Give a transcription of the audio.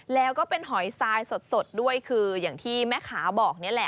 แล้วก็เป็นหอยทรายสดด้วยคืออย่างที่แม่ขาบอกนี่แหละ